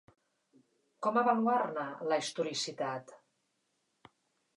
Com avaluar-ne la historicitat?